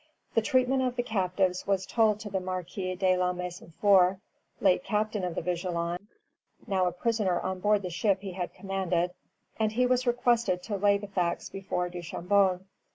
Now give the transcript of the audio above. The treatment of the captives was told to the Marquis de la Maisonfort, late captain of the "Vigilant," now a prisoner on board the ship he had commanded, and he was requested to lay the facts before Duchambon.